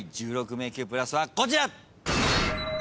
１６迷宮プラスはこちら！